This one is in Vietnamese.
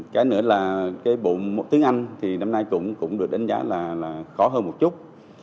cái nữa là cái bộ môn tiếng anh thì năm nay cũng được đánh giá là khó hơn một chút